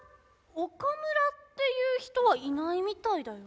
岡村っていう人はいないみたいだよ。